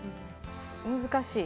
難しい。